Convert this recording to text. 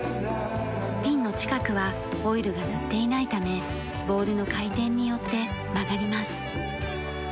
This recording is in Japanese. ピンの近くはオイルが塗っていないためボールの回転によって曲がります。